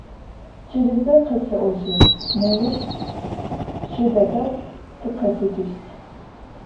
Cıri ze khese'ojı, nêuş jı dedeu tıkhetecışt.